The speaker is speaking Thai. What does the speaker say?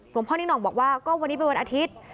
พ่อนิ่งห่องบอกว่าก็วันนี้เป็นวันอาทิตย์